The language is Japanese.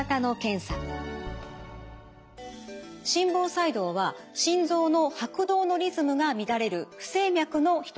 心房細動は心臓の拍動のリズムが乱れる不整脈の一つです。